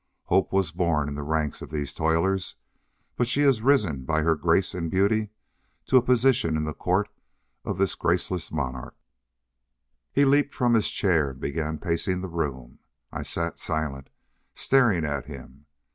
Hope was born in the ranks of these toilers, but has risen by her grace and beauty to a position in the court of this graceless monarch." He leaped from his chair and began pacing the room. I sat silent, staring at him.